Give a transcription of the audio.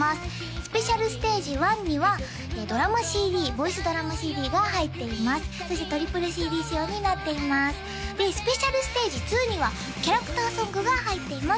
「ＳＰＳＴＡＧＥ１」にはドラマＣＤボイスドラマＣＤが入っていますそしてトリプルＣＤ仕様になっていますで「ＳＰＳＴＡＧＥ２」にはキャラクターソングが入っています